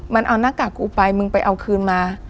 มันเอาหน้ากากกูไปมึงไปเอาคืนมา